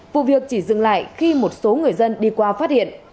vụ việc chỉ dừng lại khi một số người dân đi qua phát hiện